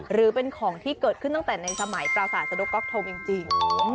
หรือเป็นของที่เกิดขึ้นตั้งแต่ในสมัยปราศาสนกก๊อกทงจริง